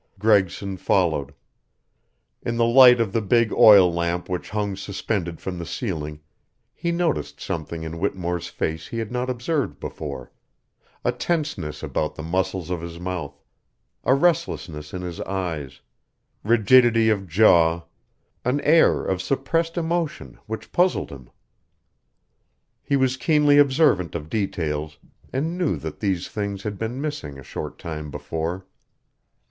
Gregson followed. In the light of the big oil lamp which hung suspended from the ceiling he noticed something in Whittemore's face he had not observed before, a tenseness about the muscles of his mouth, a restlessness in his eyes, rigidity of jaw, an air of suppressed emotion which puzzled him. He was keenly observant of details, and knew that these things had been missing a short time before.